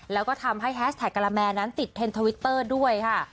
แล้วก็ทำให้แฮสแท็กกะละแมนั้นติดเทนทวิตเตอร์ด้วยค่ะ